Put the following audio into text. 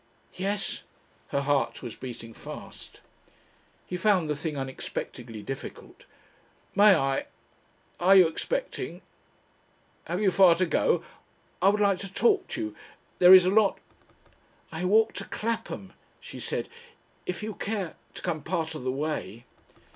"Yes?" Her heart was beating fast. He found the thing unexpectedly difficult. "May I ? Are you expecting ? Have you far to go? I would like to talk to you. There is a lot ..." "I walk to Clapham," she said. "If you care ... to come part of the way